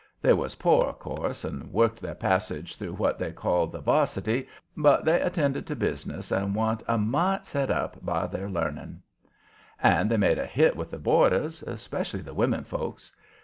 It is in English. They was poor, of course, and working their passage through what they called the "varsity," but they attended to business and wa'n't a mite set up by their learning. And they made a hit with the boarders, especially the women folks.